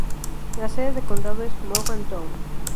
La sede de condado es Morgantown.